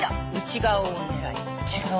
内側を狙い。